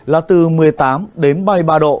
là từ một mươi tám ba mươi ba độ